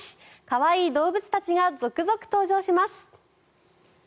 可愛い動物たちが続々登場します。